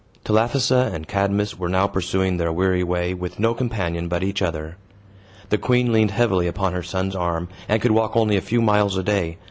Telephassa and Cadmus were now pursuing their weary way, with no companion but each other. The queen leaned heavily upon her son's arm, and could walk only a few miles a day.